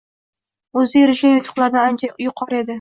o‘zi erishgan yutuqlardan ancha yuqori edi